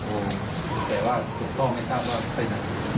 แต่ว่าผมก็ไม่ทราบว่าไปไหน